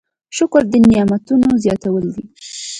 شکر د نعمتونو زیاتوالی دی.